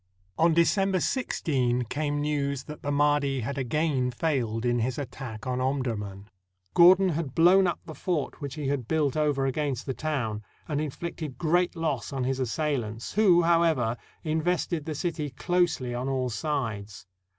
On December 16 came news that the Mahdi had again failed in his attack on Omdurman, Gordon had blown up the fort which he had built over against the town, and inflicted great loss on his assailants, who, however, invested the city closely on all sides.